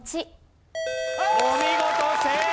お見事正解。